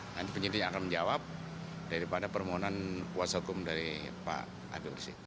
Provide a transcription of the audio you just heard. nanti penyidik yang akan menjawab daripada permohonan kuasa hukum dari pak habib rizik